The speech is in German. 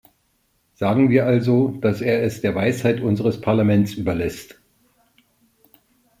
Sagen wir also, dass er es der Weisheit unseres Parlaments überlässt.